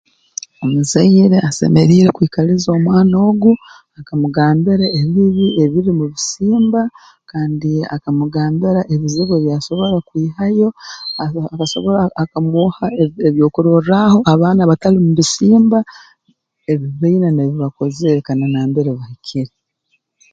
Omuzaire asemeriire kwikaliza omwana ogu akamugambira ebibi ebiri mu bisimba kandi akamugambira ebizibu ebi asobora kwihayo aa akasobora akamwoha ebyokurorrraaho abaana abatali mu bisimba ebi baine n'ebi bakozere kandi na nambere bahikire